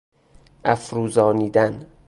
افروزانیدن